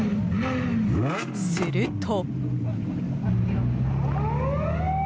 すると。